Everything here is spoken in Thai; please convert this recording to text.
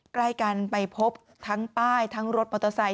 ใกล้กันไปพบทั้งป้ายทั้งรถมอเตอร์ไซค